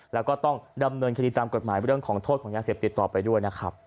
แล้วก็ต้องดำเนินคดีตามกฎหมายเรื่องของโทษของยาเสพติดต่อไปด้วยนะครับ